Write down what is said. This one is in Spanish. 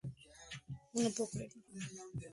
En ese año se fue a Austria para jugar en el Rapid Viena.